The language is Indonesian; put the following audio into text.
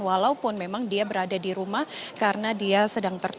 walaupun memang dia berada di rumah karena dia sedang bertahan